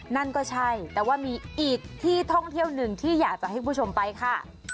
นั่นก็ใช่แต่ว่ามีอีกที่ท่องเที่ยวหนึ่งที่อยากจะให้คุณผู้ชมไปค่ะ